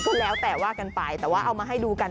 ก็แล้วแต่ว่ากันไปแต่ว่าเอามาให้ดูกัน